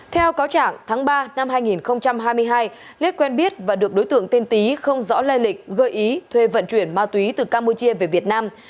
theo cáo trảng tháng ba năm hai nghìn hai mươi hai liết quen biết và được đối tượng tên tí không rõ lây lịch gợi ý thuê vận chuyển ma túy từ campuchia về việt nam